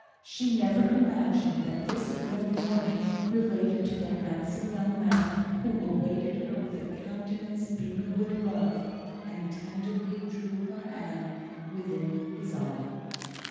She never imagined that the grim warning related to the handsome young man who awaited her with a countenance beaming with love, and tenderly drew her hand within his arm.